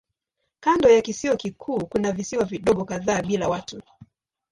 Kando ya kisiwa kikuu kuna visiwa vidogo kadhaa bila watu.